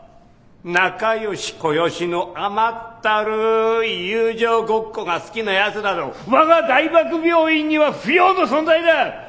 仲よしこよしの甘ったるい友情ごっこが好きなやつなど我が大学病院には不要の存在だ！